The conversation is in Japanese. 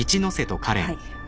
はい。